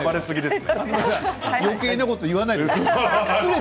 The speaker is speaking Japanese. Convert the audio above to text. よけいなことを言わないで。